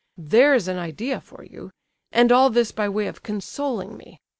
There's an idea for you—and all this by way of consoling me!